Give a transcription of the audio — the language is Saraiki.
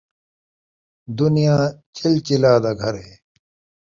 دنیا چل چلاء دا گھر ہے